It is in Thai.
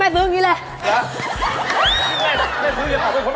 แม่ซื้ออยู่ข้างด้านข้างประตู